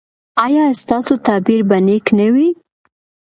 ایا ستاسو تعبیر به نیک نه وي؟